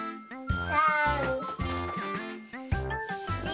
３！４！